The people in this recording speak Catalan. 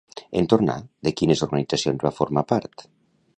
En tornar, de quines organitzacions va formar part?